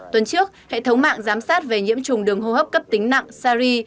tuần trước hệ thống mạng giám sát về nhiễm trùng đường hô hấp cấp tính nặng sari